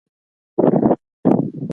دا زموږ خوب دی.